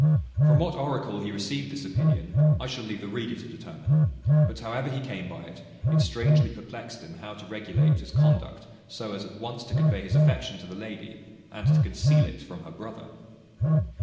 From what oracle he received this opinion, I shall leave the reader to determine: but however he came by it, it strangely perplexed him how to regulate his conduct so as at once to convey his affection to the lady, and to conceal it from her brother.